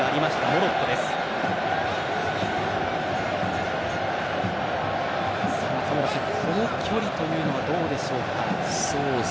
中村さん距離というのはどうでしょうか。